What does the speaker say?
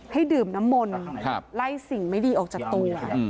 ให้ดื่มน้ำมนต์ไล่สิ่งไม่ดีออกจากตัว